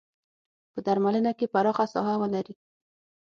په درملنه کې پراخه ساحه ولري.